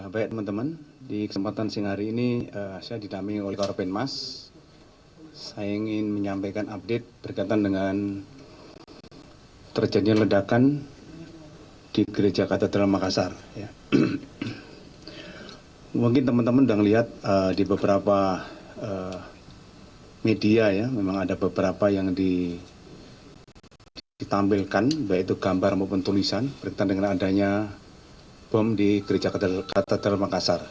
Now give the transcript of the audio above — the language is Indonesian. bagaimana penyelesaian terkait ledakan bom di gereja katedral makassar